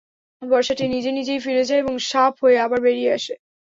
বর্শাটি নিজে নিজেই ফিরে যায় এবং সাপ হয়ে আবার বেরিয়ে আসে।